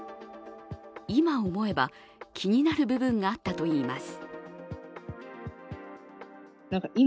今思えば、気になる部分があったといいます。